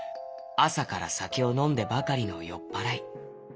あさからさけをのんでばかりのよっぱらい。